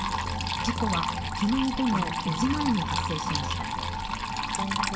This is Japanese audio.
事故は昨日午後４時前に発生しました。